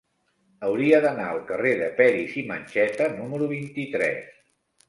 Hauria d'anar al carrer de Peris i Mencheta número vint-i-tres.